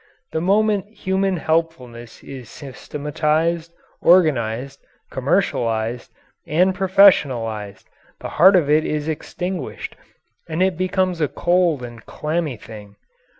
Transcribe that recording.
The moment human helpfulness is systematized, organized, commercialized, and professionalized, the heart of it is extinguished, and it becomes a cold and clammy thing.